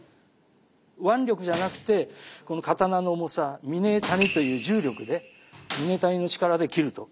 腕力じゃなくてこの刀の重さ嶺谷という重力で嶺谷の力で斬ると。